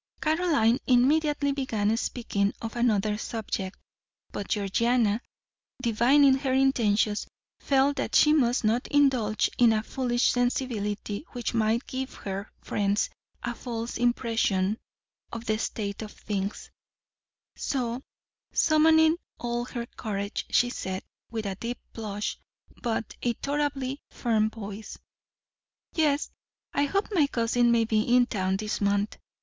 Caroline immediately began speaking of another subject, but Georgiana, divining their intentions, felt that she must not indulge in a foolish sensibility which might give her friends a false impression of the state of things; so, summoning all her courage, she said, with a deep blush but a tolerably firm voice: "Yes, I hope my cousin may be in town this month.